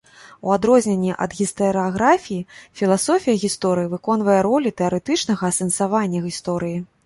У адрозненне ад гістарыяграфіі, філасофія гісторыі выконвае ролю тэарэтычнага асэнсавання гісторыі.